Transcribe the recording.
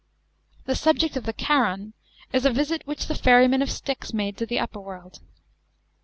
i he subject of the Charon is a visit which the ferryman of Styx made to the upper world.